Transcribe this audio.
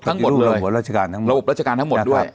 ทั้งหมดเลยปฏิรูประบบราชการทั้งหมดระบบราชการทั้งหมดด้วย